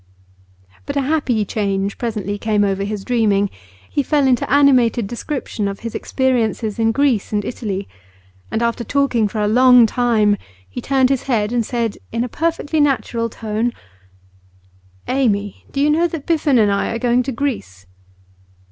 But a happy change presently came over his dreaming. He fell into animated description of his experiences in Greece and Italy, and after talking for a long time, he turned his head and said in a perfectly natural tone: 'Amy, do you know that Biffen and I are going to Greece?